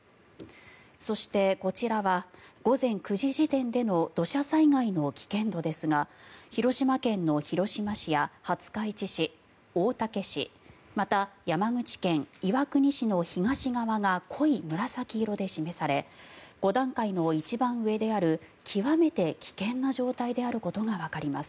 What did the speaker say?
そして、こちらは午前９時時点での土砂災害の危険度ですが広島県の広島市や廿日市市大竹市また山口県岩国市の東側が濃い紫色で示され５段階の一番上である極めて危険な状態であることがわかります。